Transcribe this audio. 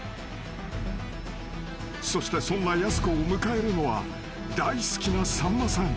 ［そしてそんなやす子を迎えるのは大好きなさんまさん］